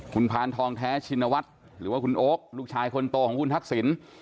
คุณพานทองแท้ชินวัฒน์หรือว่าคุณโอ๊คลูกชายคนโตของคุณทักษิณ